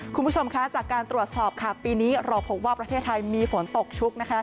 คุณผู้ชมจากการตรวจสอบปีนี้รอพบว่าประเทศไทยมีฝนตกชุก